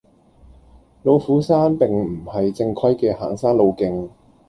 老虎山並唔係正規嘅行山路徑